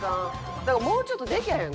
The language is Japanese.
もうちょっとできへん？